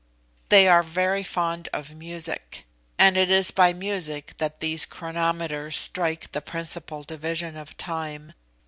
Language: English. They are very fond of music; and it is by music that these chronometers strike the principal division of time.